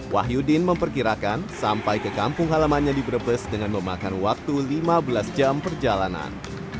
wahyudin memperkirakan sampai ke kampung halamannya di brebes dengan memakan waktu lima belas jam perjalanan